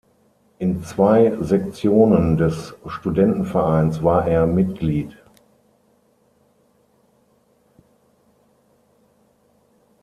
In zwei Sektionen des Studentenvereins war er Mitglied.